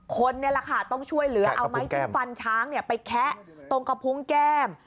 คนต้องช่วยเหลือเอาไม้ที่ฟันช้างไปแคะตรงกระพุงแก้ม